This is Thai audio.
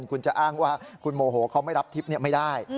ซึ่งคุณจะอ้างว่าคุณโมโหไม่รับทิปนี้ไม่ได้